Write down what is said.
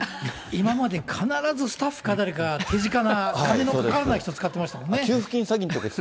今まで必ずスタッフか誰かが、手近な金のかからない人使ってましたもんね。